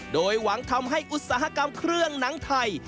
โดยหวังทำให้อุตสาหกรรมเครื่องหนังไทย